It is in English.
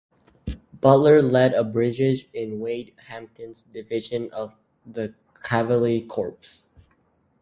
Butler led a brigade in Wade Hampton's division of the Cavalry Corps.